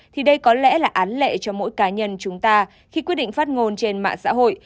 thì đây có lẽ là án lệ cho mỗi cá nhân chúng ta khi quyết định phát ngôn trên mạng xã hội